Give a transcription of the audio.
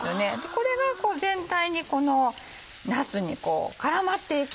これが全体になすに絡まっていく。